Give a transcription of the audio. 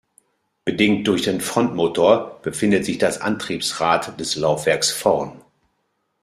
Bedingt durch den Frontmotor befindet sich das Antriebsrad des Laufwerks vorn.